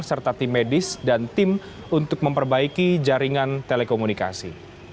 serta tim medis dan tim untuk memperbaiki jaringan telekomunikasi